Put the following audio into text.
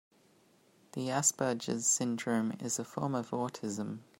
The Asperger syndrome is a form of autism.